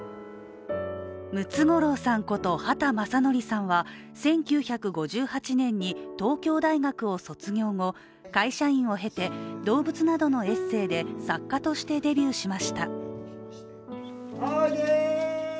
ムツゴロウさんこと畑正憲さんは１９５８年に東京大学を卒業後、会社員を経て動物などのエッセーで作家としてデビューしました。